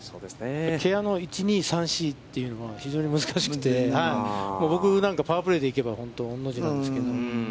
芥屋の１、２、３、４というのは、非常に難しくて、僕なんか、パワープレーで行けば本当御の字なんですけど。